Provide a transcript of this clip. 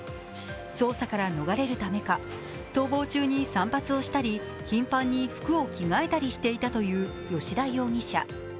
捜査から逃れるためか逃亡中に散髪をしたり、頻繁に服を着替えたりしていたという葭田容疑者。